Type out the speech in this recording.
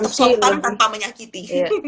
yang tetap selesai tanpa menyakiti